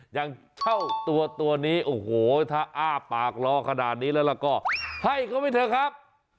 อย่างเจ้าตัวตัวนี้โอ้โหถ้าอ้าปากรอขนาดนี้แล้วก็ให้เขาไปเถอะครับ